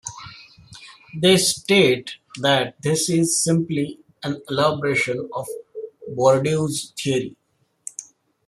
They state that this is simply an elaboration of Bourdieu's theory.